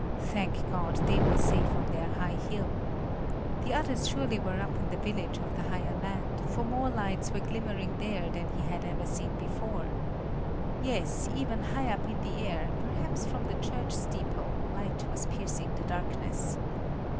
Thank God, they were safe on their high hill! The others surely were up in the village of the higher land, for more lights were glimmering there than he had ever seen before. Yes, even high up in the air, perhaps from the church steeple, light was piercing the darkness.